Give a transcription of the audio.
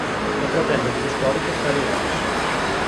È fratello dello storico Perry Anderson.